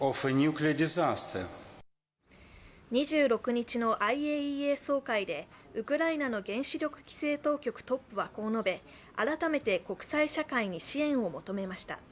２６日のＩＡＥＡ総会でウクライナの原子力規制当局トップはこう述べ改めて国際社会に支援を求めました。